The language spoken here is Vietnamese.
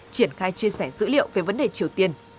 triển khai chia sẻ dữ liệu về vấn đề triều tiên